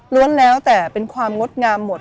้วนแล้วแต่เป็นความงดงามหมด